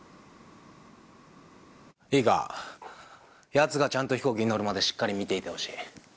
いいか奴がちゃんと飛行機に乗るまでしっかり見ていてほしい。